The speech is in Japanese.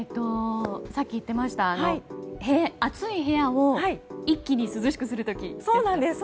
さっき言ってました暑い部屋を一気に涼しくする時ですね。